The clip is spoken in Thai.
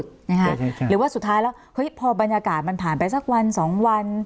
หรือว่าสุดท้ายแล้วเฮ้ยพอบรรยากาศมันผ่านไปสักวันสองวัน